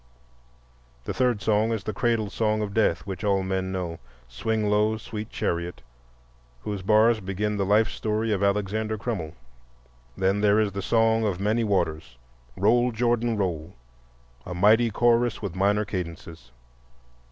The third song is the cradle song of death which all men know,—"Swing low, sweet chariot,"—whose bars begin the life story of "Alexander Crummell." Then there is the song of many waters, "Roll, Jordan, roll," a mighty chorus with minor cadences.